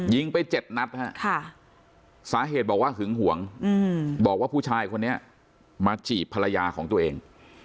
ไป๗นัดฮะสาเหตุบอกว่าหึงหวงบอกว่าผู้ชายคนนี้มาจีบภรรยาของตัวเอง